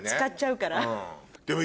でも。